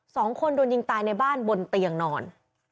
สองคนโดนยิงตายในบ้านบนเตียงนอน